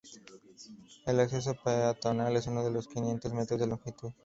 El acceso peatonal es de unos quinientos metros de longitud.